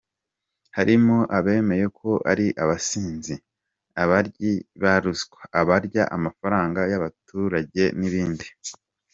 Harimo abemeye ko ari abasinzi, abaryi ba ruswa, abarya amafaranga y’abaturage n’ibindi.